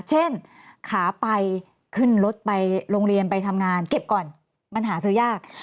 ขาไปขึ้นรถไปโรงเรียนไปทำงานเก็บก่อนมันหาซื้อยาก